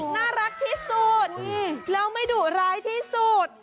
น่ารักที่สุดแล้วไม่ดุร้ายที่สุด